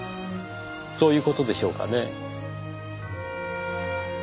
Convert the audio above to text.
そういう事でしょうかねぇ。